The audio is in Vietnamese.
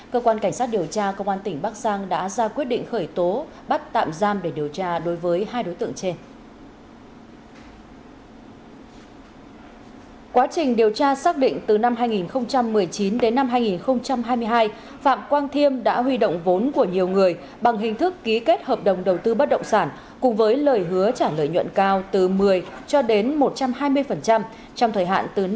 cơ quan cảnh sát điều tra công an tỉnh đã ra quyết định khởi tố vụ án khởi tố bị can lệnh tạm giam đối với bà vũ thị thanh nguyền nguyên trưởng phòng kế hoạch tài chính sở giáo dục và đào tạo tài chính